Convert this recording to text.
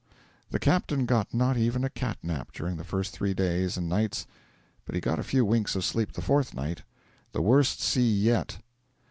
The captain got not even a cat nap during the first three days and nights, but he got a few winks of sleep the fourth night. 'The worst sea yet.'